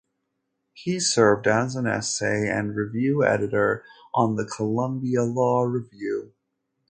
He served as an essay and review editor on the "Columbia Law Review".